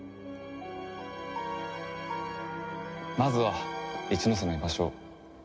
まずは一ノ瀬の居場所を。